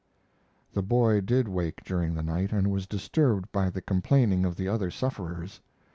The boy did wake during the night, and was disturbed by the complaining of the other sufferers.